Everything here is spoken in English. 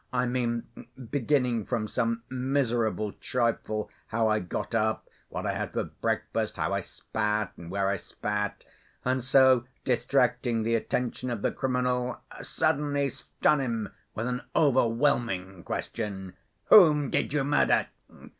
I mean, beginning from some miserable trifle, how I got up, what I had for breakfast, how I spat, and where I spat, and so distracting the attention of the criminal, suddenly stun him with an overwhelming question, 'Whom did you murder?